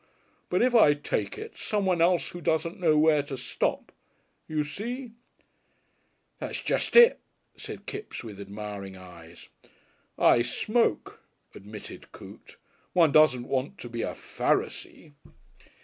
But if I take it, someone else who doesn't know where to stop you see?" "That's jest it," said Kipps, with admiring eyes. "I smoke," admitted Coote. "One doesn't want to be a Pharisee."